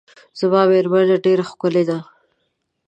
زما میرمن ډیره ښکلې ده .